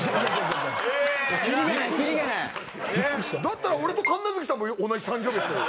だったら俺と神奈月さんも同じ誕生日ですよ。